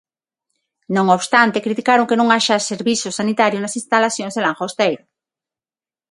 Non obstante, criticaron que non haxa servizo sanitario nas instalacións de Langosteira.